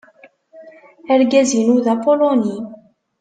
Argaz-inu d apuluni.